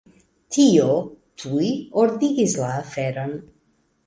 Tio tuj ordigis la aferon.